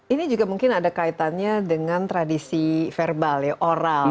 ini juga mungkin ada kaitannya dengan tradisi verbal ya oral